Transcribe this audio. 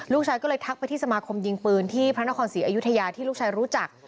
ลูกชายก็เลยทักไปที่สมาคมยิงปืนที่พระนครศรีอยุธยาที่ลูกชายรู้จัก